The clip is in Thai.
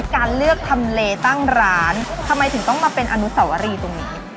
การเลือกทำเลตั้งร้านทำไมถึงต้องมาเป็นอนุสวรีตรงนี้